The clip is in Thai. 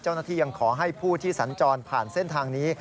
เจ้าหน้าที่ยังขอให้ผู้ที่สัญจรผ่านเส้นทางนี้